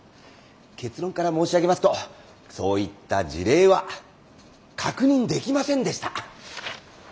結論から申し上げますとそういった事例は確認できませんでした。